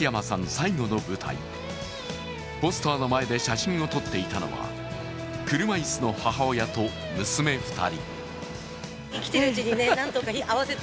最後の舞台、ポスターの前で写真を撮っていたのは車椅子の母親と娘２人。